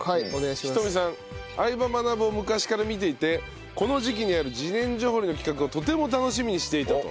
仁美さん『相葉マナブ』を昔から見ていてこの時期にある自然薯掘りの企画をとても楽しみにしていたと。